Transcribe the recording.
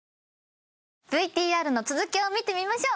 ＶＴＲの続きを見てみましょう。